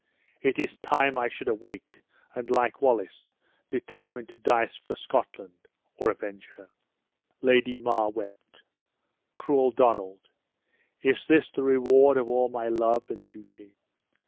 It is time I should awake, and, like Wallace, determine to die for Scotland, or avenge her." Lady Mar wept. "Cruel Donald! is this the reward of all my love and duty?